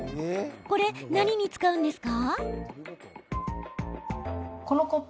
これ、何に使うんですか？